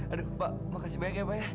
aduh pak makasih banyak ya pak ya